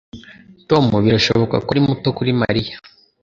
Tom birashoboka ko ari muto kuri Mariya.